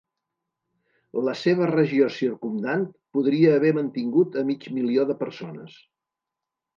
La seva regió circumdant podria haver mantingut a mig milió de persones.